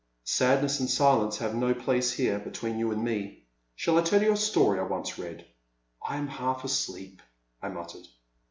*' Sadness and silence have no place here, be tween you and me. Shall I tell you a story I once read ?' I am half asleep," I muttered.